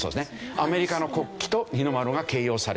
アメリカの国旗と日の丸が掲揚されます。